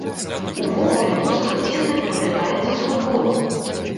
Увогуле музыка цесна пераплятаецца з футболам.